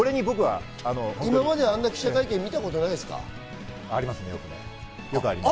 今まであんな記者会見見たことないですか？